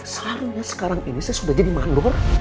seharusnya sekarang ini saya sudah jadi mandor